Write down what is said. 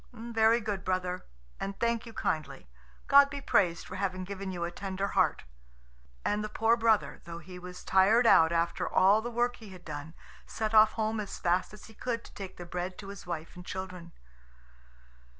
"Very good, brother, and thank you kindly. God be praised for having given you a tender heart." And the poor brother, though he was tired out after all the work he had done, set off home as fast as he could to take the bread to his wife and children.